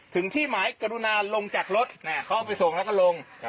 ที่หมายกรุณาลงจากรถเขาเอาไปส่งแล้วก็ลง